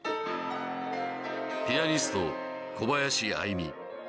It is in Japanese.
ピアニスト・小林愛実